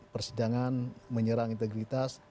persidangan menyerang integritas